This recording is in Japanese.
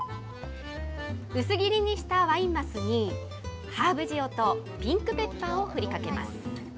薄切りにしたワイン鱒にハーブ塩とピンクペッパーを振りかけます。